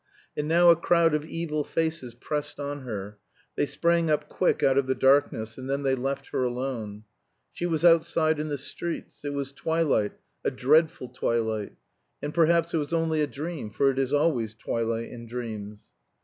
And now a crowd of evil faces pressed on her; they sprang up quick out of the darkness, and then they left her alone. She was outside in the streets. It was twilight, a dreadful twilight; and perhaps it was only a dream, for it is always twilight in dreams.